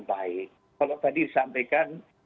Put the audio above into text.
baik kalau tadi disampaikan